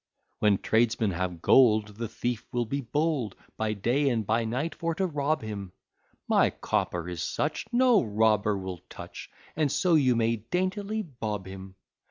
When tradesmen have gold, The thief will be bold, By day and by night for to rob him: My copper is such, No robber will touch, And so you may daintily bob him.